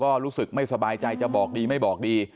ก็รู้สึกไม่สบายใจจะบอกดีไม่บอกดี